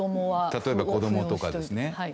例えば、子供とかですね。